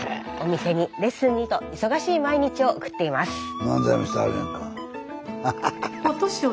お店にレッスンにと忙しい毎日を送っています。